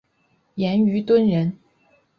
严虞敦人。